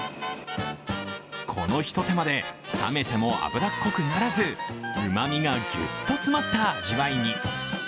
このひと手間で冷めても脂っこくならずうまみがギュッと詰まった味わいに。